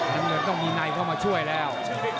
อันนั้นก็ต้องมีในเข้ามาช่วยแล้ว